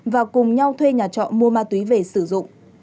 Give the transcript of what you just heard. và cùng nhau thuê nhà trọ mua ma túy về sử dụng